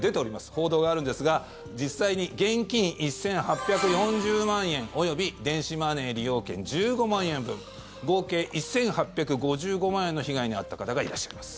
報道があるんですが実際に現金１８４０万円及び電子マネー利用権１５万円分合計１８５５万円の被害に遭った方がいらっしゃいます。